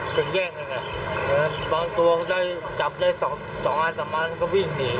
ถึงแย่งกันแหละบางตัวเขาได้จับได้สองสองอาสมันก็วิ่งหนี